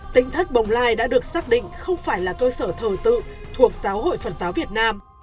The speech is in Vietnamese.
tính thất bồng lai đã được xác định không phải là cơ sở thờ tự thuộc giáo hội phật giáo việt nam